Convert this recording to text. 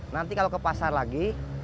nanti kalau ke pasar lagi